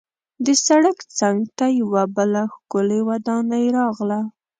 د سړک څنګ ته یوه بله ښکلې ودانۍ راغله.